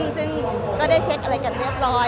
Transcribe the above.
ซึ่งก็ได้เช็คอะไรกันเรียบร้อย